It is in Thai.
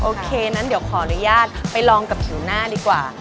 โอเคงั้นเดี๋ยวขออนุญาตไปลองกับผิวหน้าดีกว่า